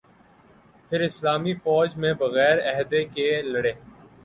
پھر اسلامی فوج میں بغیر عہدہ کے لڑے